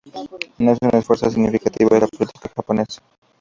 No es una fuerza significativa en la política japonesa.